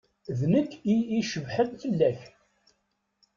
D nekk i icebḥen fell-ak.